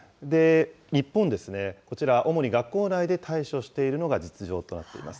日本ですね、こちら、主に学校内で対処しているのが実情となっています。